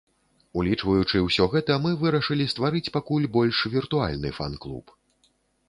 Улічваючы ўсё гэта, мы вырашылі стварыць пакуль больш віртуальны фан-клуб.